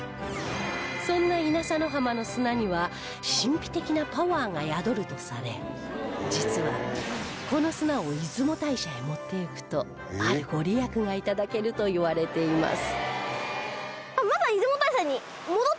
そんな稲佐の浜の砂には神秘的なパワーが宿るとされ実はこの砂を出雲大社へ持っていくとあるご利益が頂けるといわれています